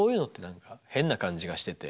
何か変な感じがしてて。